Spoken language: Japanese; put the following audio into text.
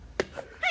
はい！